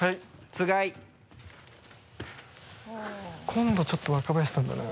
今度ちょっと若林さんだな。